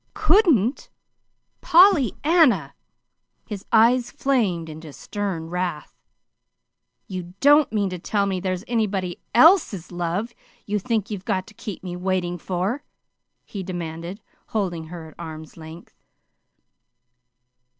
"Couldn't! Pollyanna," his eyes flamed into stern wrath, "you don't mean to tell me there's anybody ELSE'S love you think you've got to keep me waiting for?" he demanded, holding her at arm's length.